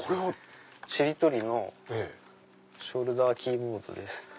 ちり取りのショルダーキーボードです。